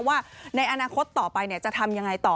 ว่าในอนาคตต่อไปจะทำยังไงต่อ